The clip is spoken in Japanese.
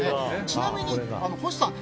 ちなみに、星さん